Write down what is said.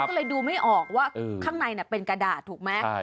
ก็เลยดูไม่ออกว่าข้างในเป็นกระดาษถูกไหม